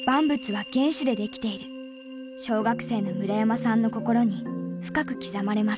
小学生の村山さんの心に深く刻まれました。